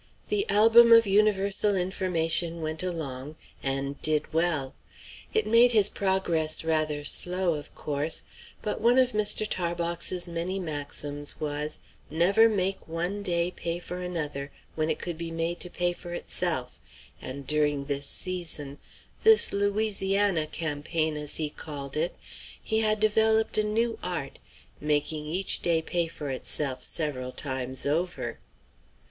The "Album of Universal Information" went along, and "did well." It made his progress rather slow, of course; but one of Mr. Tarbox's many maxims was, never to make one day pay for another when it could be made to pay for itself, and during this season this Louisiana campaign, as he called it he had developed a new art, making each day pay for itself several times over.